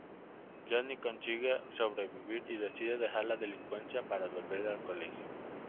Johnnie consigue sobrevivir y decide dejar la delincuencia para volver al colegio.